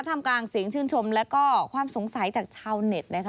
ทำกลางเสียงชื่นชมแล้วก็ความสงสัยจากชาวเน็ตนะคะ